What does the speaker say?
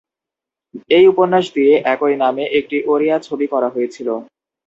এই উপন্যাস দিয়ে একই নামে একটি ওড়িয়া ছবি করা হয়েছিল।